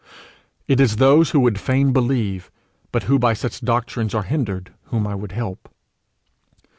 It is those who would fain believe, but who by such doctrines are hindered, whom I would help.